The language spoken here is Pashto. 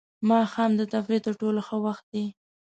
ماښام د تفریح تر ټولو ښه وخت دی.